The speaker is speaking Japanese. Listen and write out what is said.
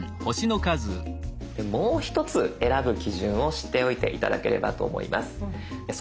もう一つ選ぶ基準を知っておいて頂ければと思います。